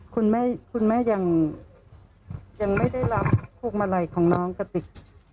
คุณแม่คุณแม่ยังไม่ได้รับพวงมาลัยของน้องกติก